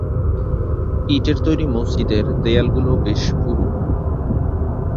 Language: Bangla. ইটের তৈরী মসজিদের দেয়ালগুলো বেশ পুরু।